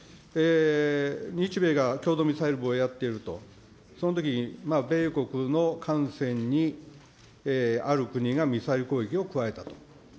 日米が共同ミサイル防衛をやっていると、そのとき、米国の艦船にある国がミサイル攻撃を加えたと。